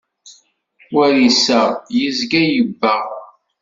War iseɣ, yezga yebbeɣ.